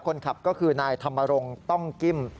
คนขับก็คือนายถำรงต้องกิ้ม